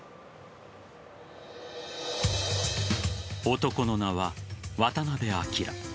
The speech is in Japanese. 男の名は渡辺明。